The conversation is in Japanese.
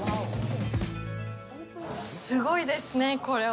すごいですね、これ。